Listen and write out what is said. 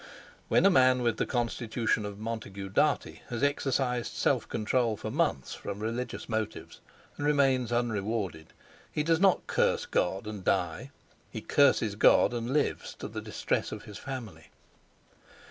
When a man with the constitution of Montague Dartie has exercised self control for months from religious motives, and remains unrewarded, he does not curse God and die, he curses God and lives, to the distress of his family.